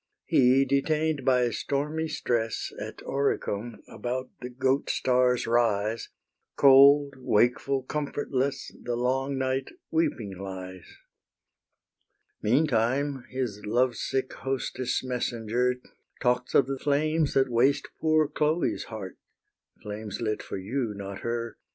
He, detain'd by stormy stress At Oricum, about the Goat star's rise, Cold, wakeful, comfortless, The long night weeping lies. Meantime his lovesick hostess' messenger Talks of the flames that waste poor Chloe's heart (Flames lit for you, not her!)